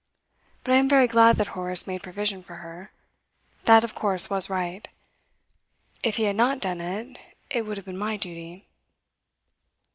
But I am very glad that Horace made provision for her that of course was right; if he had not done it, it would have been my duty.